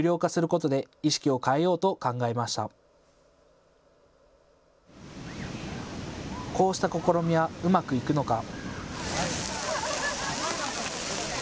こうした試みはうまくいくのか。